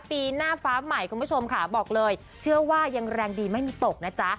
ปีหน้าฟ้าใหม่คุณผู้ชมค่ะบอกเลยเชื่อว่ายังแรงดีไม่มีตกนะจ๊ะ